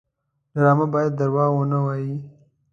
ډرامه باید دروغ ونه وایي